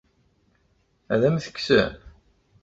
Ad am-t-kksen?